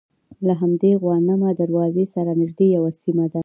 له همدې غوانمه دروازې سره نژدې یوه سیمه ده.